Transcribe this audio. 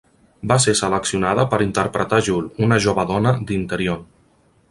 Va ser seleccionada per interpretar Jool, una jove dona d'Interion.